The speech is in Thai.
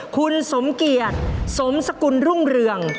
คุณสมเกียจสมสกุลรุ่งเรือง